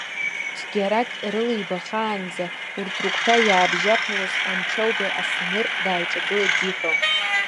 Цәгьарак рылибахаанӡа, урҭ рыгәҭа иаабжьаԥалаз Ҟанчоубеи Асҭамыр дааиҿагылеит диҳәо…